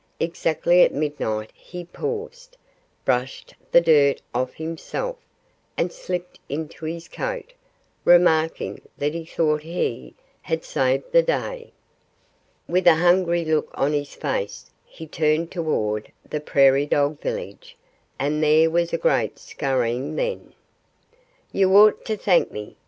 Exactly at midnight he paused, brushed the dirt off himself, and slipped into his coat, remarking that he thought he "had saved the day." With a hungry look on his face he turned toward the prairie dog village. And there was a great scurrying then. "You ought to thank me!"